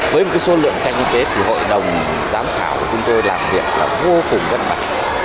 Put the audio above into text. với một số lượng tranh y kế thì hội đồng giám khảo của chúng tôi làm việc là vô cùng gân bạc